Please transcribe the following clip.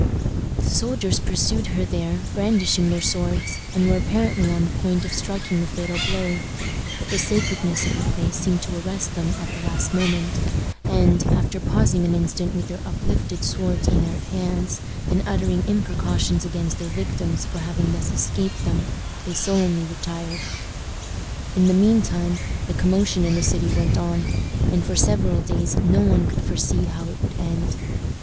The soldiers pursued her there, brandishing their swords, and were apparently on the point of striking the fatal blow; but the sacredness of the place seemed to arrest them at the last moment, and, after pausing an instant with their uplifted swords in their hands, and uttering imprecations against their victims for having thus escaped them, they sullenly retired. In the mean time the commotion in the city went on, and for several days no one could foresee how it would end.